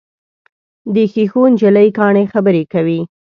د ښیښو نجلۍ کاڼي خبرې کوي.